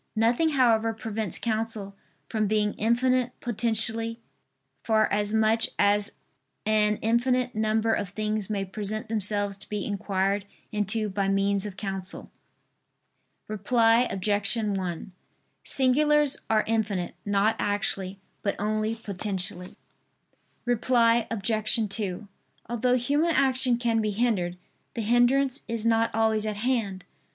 Nothing however prevents counsel from being infinite potentially, for as much as an infinite number of things may present themselves to be inquired into by means of counsel. Reply Obj. 1: Singulars are infinite; not actually, but only potentially. Reply Obj. 2: Although human action can be hindered, the hindrance is not always at hand.